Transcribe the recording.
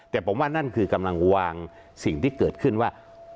แต่ผมว่านั่นคือกำลังวางสิ่งที่เกิดขึ้นว่า